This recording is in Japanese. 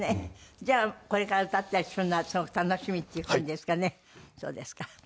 じゃあこれから歌ったりするのはすごく楽しみっていう感じですかね。